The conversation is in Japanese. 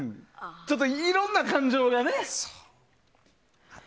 ちょっといろんな感情がね。